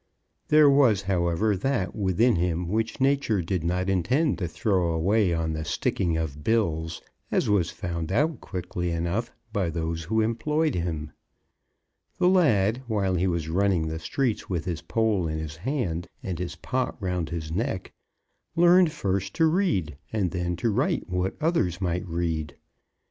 There was, however, that within him which Nature did not intend to throw away on the sticking of bills, as was found out quickly enough by those who employed him. The lad, while he was running the streets with his pole in his hand, and his pot round his neck, learned first to read, and then to write what others might read.